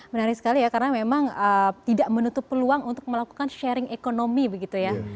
menarik sekali ya karena memang tidak menutup peluang untuk melakukan sharing ekonomi begitu ya